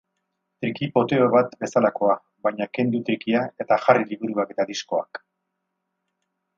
Triki-poteo bat bezalakoa, baina kendu trikia eta jarri liburuak eta diskoak.